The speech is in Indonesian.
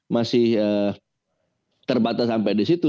masih terbatas sampai di situ